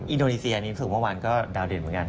อินโดนีเซียนี่คือเมื่อวานก็ดาวเด่นเหมือนกัน